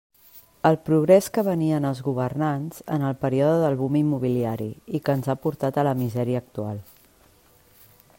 El progrés que venien els governants en el període del boom immobiliari i que ens ha portat a la misèria actual.